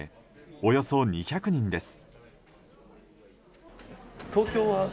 およそ２００人です。